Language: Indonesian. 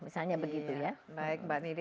misalnya begitu ya baik mbak nidi